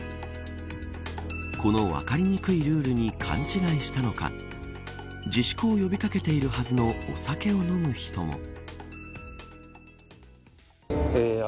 この分かりにくいルールに勘違いしたのか自粛を呼び掛けているはずのお酒を飲む人も。